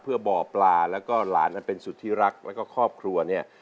เพื่อบ่อปลาแล้วก็หลานนั้นเป็นสุดที่รักแล้วก็ครอบครัวเนี่ย